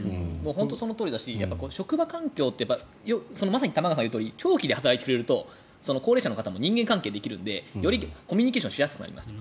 本当にそのとおりだし職場環境って玉川さんが言うとおり長期で働いてくれると高齢者の方も人間関係ができるのでよりコミュニケーションしやすくなりますと。